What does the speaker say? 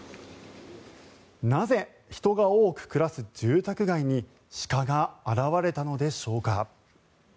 なぜ人が多く暮らす住宅街に鹿が現れたのでしょうか。